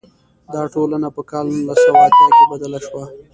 دا ټولنه په کال نولس سوه اتیا کې بدله شوه.